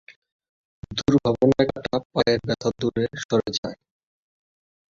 দুর্ভাবনায় কাটা পায়ের ব্যথা দূরে সরে যায়।